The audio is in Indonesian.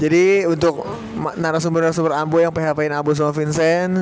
jadi untuk narasumber narasumber ambo yang php in ambo sama vincent